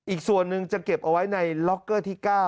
อีกส่วนหนึ่งจะเก็บเอาไว้ในล็อกเกอร์ที่๙